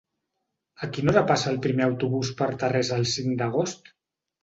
A quina hora passa el primer autobús per Tarrés el cinc d'agost?